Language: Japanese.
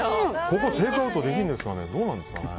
ここテイクアウトできるんですかね？